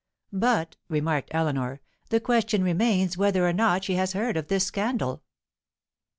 "But," remarked Eleanor, "the question remains whether or not she has heard of this scandal."